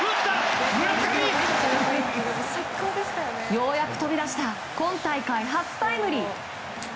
ようやく飛び出した今大会初タイムリー！